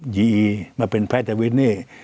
ยีอีมาเป็นแพทย์แทวิทเน่